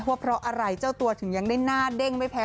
ว่าเพราะอะไรเจ้าตัวถึงยังได้หน้าเด้งไม่แพ้